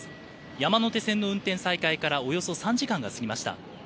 山手線の運転再開からおよそ３時間が過ぎました。